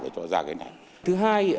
để cho ra cái này thứ hai